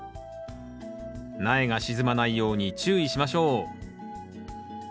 苗が沈まないように注意しましょう。